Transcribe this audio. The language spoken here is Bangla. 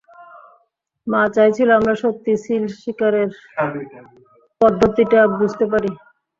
মা চাইছিল আমরা সত্যিই সিল শিকারের পদ্ধতিটা বুঝতে পারি।